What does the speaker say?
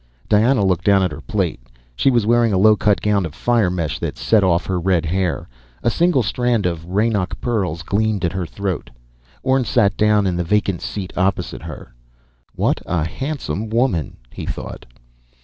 Diana looked down at her plate. She was wearing a low cut gown of firemesh that set off her red hair. A single strand of Reinach pearls gleamed at her throat. Orne sat down in the vacant seat opposite her. What a handsome woman! he thought.